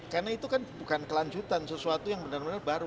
karena itu bukan kelanjutan sesuatu yang benar benar baru